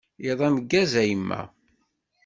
Iḍ ameggaz, a yemma.